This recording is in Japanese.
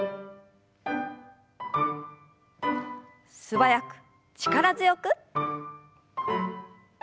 素早く力強く。